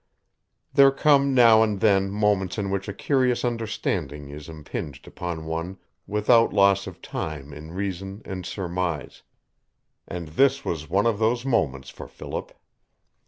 There come now and then moments in which a curious understanding is impinged upon one without loss of time in reason and surmise and this was one of those moments for Philip.